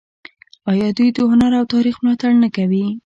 آیا دوی د هنر او تاریخ ملاتړ نه کوي؟